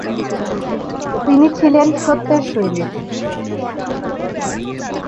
তিনি ছিলেন সত্যের সৈনিক।